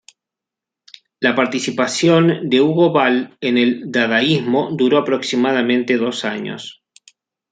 La participación de Hugo Ball en el dadaísmo duró aproximadamente dos años.